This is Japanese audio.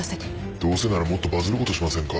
どうせならもっとバズることしませんか？